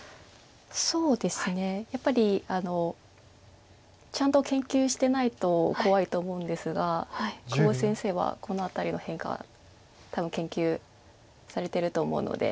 そうですねやっぱりちゃんと研究してないと怖いと思うんですが久保先生はこの辺りの変化は多分研究されてると思うので。